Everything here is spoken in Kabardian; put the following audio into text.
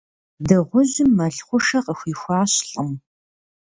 Дыгъужьым мэл хъушэ къыхуихуащ лӏым.